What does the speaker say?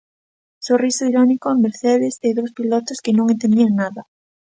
Sorriso irónico en Mercedes e dous pilotos que non entendían nada.